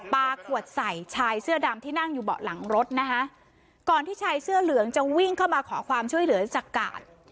ปลาขวดใส่ชายเสื้อดำที่นั่งอยู่เบาะหลังรถนะคะก่อนที่ชายเสื้อเหลืองจะวิ่งเข้ามาขอความช่วยเหลือจากกาด